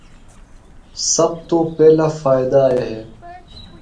سب تو پہلا فائدہ اے ہے۔